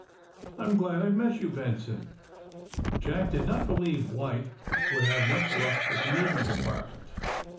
I'm glad I've met you, Benson." Jack did not believe White would have much luck with the Navy Department.